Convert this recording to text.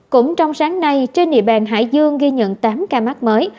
cũng trong sáng nay trên địa bàn hải dương ghi nhận tám ca mắc mới